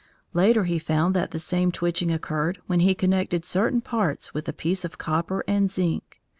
Later he found that the same twitching occurred when he connected certain parts with a piece of copper and zinc.